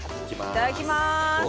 いただきます。